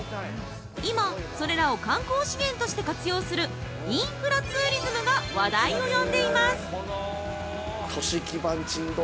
今、それらを観光資源として活用するインフラツーリズムが話題を呼んでいます。